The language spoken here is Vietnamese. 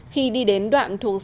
khi đi đến đoạn thuộc xe máy